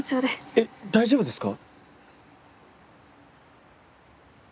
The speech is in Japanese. えっ大丈夫ですか？